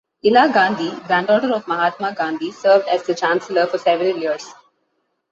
Ela Gandhi, granddaughter of Mahatma Gandhi served as the Chancellor for several years.